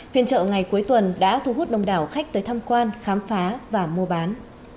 phiên chợ ngày cuối tuần đã thu hút đông đảo khách tới thăm quan khám phá và mua bán